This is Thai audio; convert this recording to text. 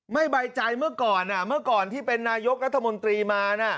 ไม่บายใจเมื่อก่อนเมื่อก่อนที่เป็นนายกรัฐมนตรีมา